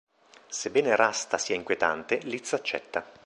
Sebbene Rasta sia inquietante, Liz accetta.